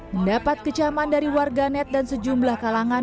mendapat kecaman dari warganet dan sejumlah kalangan